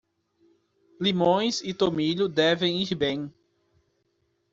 Limões e tomilho devem ir bem.